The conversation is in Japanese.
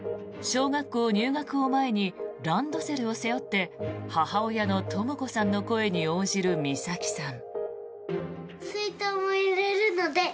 小学校入学を前にランドセルを背負って母親のとも子さんの声に応じる美咲さん。